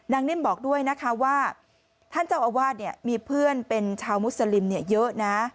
นิ่มบอกด้วยนะคะว่าท่านเจ้าอาวาสมีเพื่อนเป็นชาวมุสลิมเยอะนะ